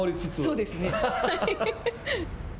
そうですね。